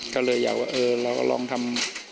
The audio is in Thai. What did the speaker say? ก็เลยอยากว่าเออเราก็ลองทำ